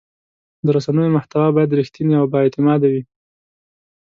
د رسنیو محتوا باید رښتینې او بااعتماده وي.